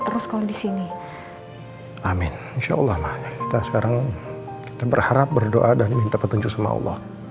terus kau disini amin insyaallah kita sekarang berharap berdoa dan minta petunjuk sama allah